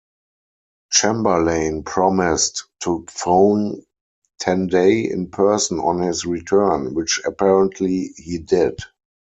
Chamberlain promised to phone Tandey in person on his return, which apparently he did.